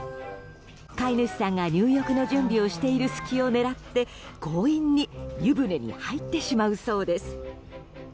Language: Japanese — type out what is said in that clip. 飼い主さんが入浴の準備をしている隙を狙って強引に湯船に入ってしまうそうです。